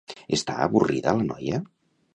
Està avorrida la noia?